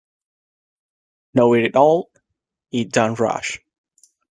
Know It All y Don't Rush.